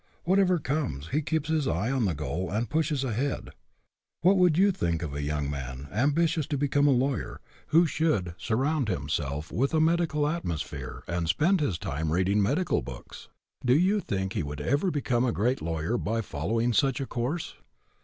What ever comes, he keeps his eye on the goal and pushes ahead. What would you think of a young man, ambitious to become a lawyer, who should surround himself with a medical atmosphere and spend his time reading medical books? Do you think he would ever become a great lawyer by following such a course?